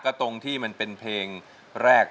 ก็ตรงที่มันเป็นเพลงแรก